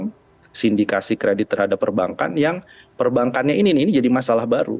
dengan sindikasi kredit terhadap perbankan yang perbankannya ini jadi masalah baru